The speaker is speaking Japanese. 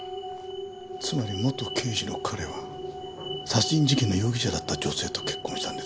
つまり元刑事の彼は殺人事件の容疑者だった女性と結婚したんですか？